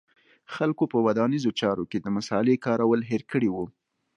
خلکو په ودانیزو چارو کې د مصالې کارول هېر کړي و